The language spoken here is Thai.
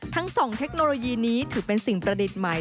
ทั้งสองเทคโนโลยีนี้ถือเป็นสิ่งประดิษฐ์ใหม่